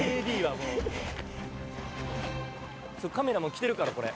「カメラも来てるからこれ」